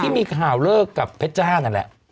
ที่มีข่าวเลิกกับเพชรจ้านั่นแหละ